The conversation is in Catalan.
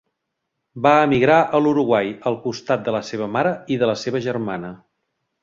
Va emigrar a l'Uruguai al costat de la seva mare i de la seva germana.